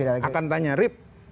akan tanya rip